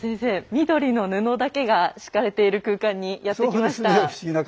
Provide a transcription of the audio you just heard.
緑の布だけが敷かれてる空間にやって来ました。